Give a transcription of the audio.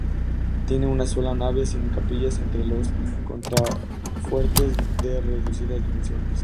Tiene una sola nave sin capillas entre los contrafuertes, de reducidas dimensiones.